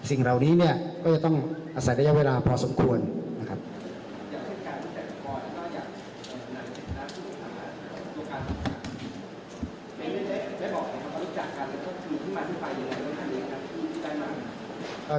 สิ่งเหล่านี้เนี่ยก็จะต้องอาศัยระยะเวลาพอสมควรนะครับ